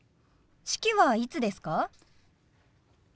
式はいつですか？